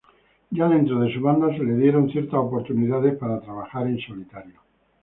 Ya dentro de su banda se le dieron ciertas oportunidad para trabajar en solitario.